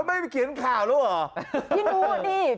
เอ๊ะไม่มีเขียนข่าวแล้วหรอ